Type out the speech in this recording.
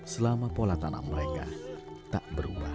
selama pola tanam mereka tak berubah